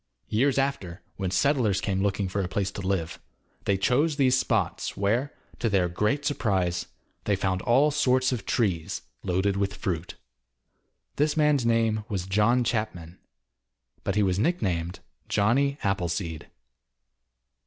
Years after when settlers came looking for a place to live, they chose these spots where, to their great surprise, they found all sorts of trees loaded with fruit. This man's name was John Chapman, but he was nicknamed Johnny Appleseed.